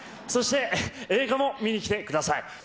そして映画も見に来てください。